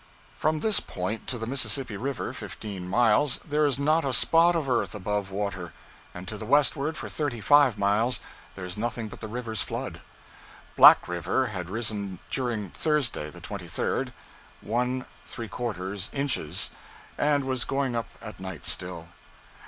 From this point to the Mississippi River, fifteen miles, there is not a spot of earth above water, and to the westward for thirty five miles there is nothing but the river's flood. Black River had risen during Thursday, the 23rd, 1{three quarters} inches, and was going up at night still.